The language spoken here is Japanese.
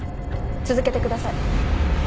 続けてください。